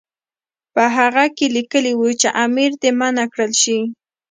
په هغه کې لیکلي وو چې امیر دې منع کړل شي.